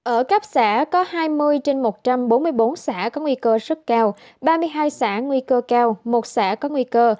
ở cấp xã có hai mươi trên một trăm bốn mươi bốn xã có nguy cơ sức cao ba mươi hai xã nguy cơ cao một xã có nguy cơ